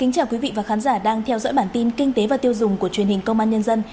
chào mừng quý vị đến với bản tin kinh tế và tiêu dùng của truyền hình công an nhân dân